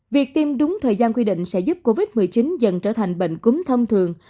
việc tiêm đúng thời gian quy định sẽ giúp covid một mươi chín dần trở thành bệnh cúm thông thường